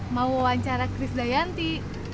mau wawancara kris dayanti